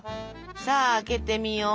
さあ開けてみよう。